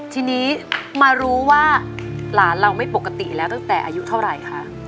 ทีนี้มารู้ว่าหลานเราไม่ปกติแล้วตั้งแต่อายุเท่าไหร่คะ